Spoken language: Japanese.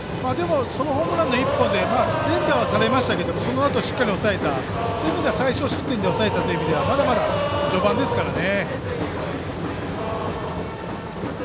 ソロホームランの１本で連打はされましたけどもそのあとはしっかり最少失点で抑えたという面ではまだまだ序盤ですからね。